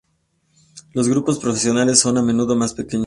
Los grupos profesionales son a menudo más pequeños.